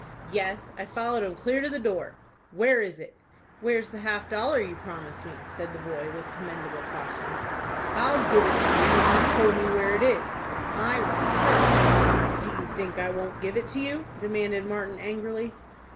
"Yes, I followed 'em clear to the door." "Where is it?" "Where's the half dollar you promised me?" said the boy, with commendable caution. "I'll give it to you when you've told me where it is." "I want it first." "Do you think I won't give it to you?" demanded Martin, angrily.